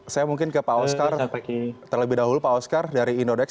saya mungkin ke pak oscar terlebih dahulu pak oscar dari indodex